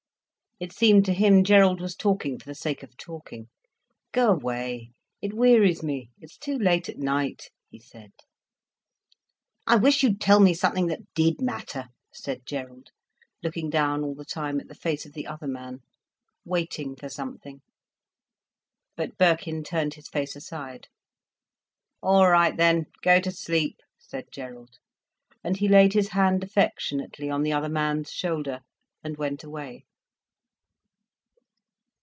It seemed to him Gerald was talking for the sake of talking. "Go away, it wearies me—it's too late at night," he said. "I wish you'd tell me something that did matter," said Gerald, looking down all the time at the face of the other man, waiting for something. But Birkin turned his face aside. "All right then, go to sleep," said Gerald, and he laid his hand affectionately on the other man's shoulder, and went away.